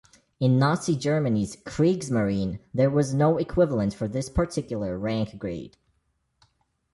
In Nazi Germany's "Kriegsmarine" there was no equivalent for this particular rank grade.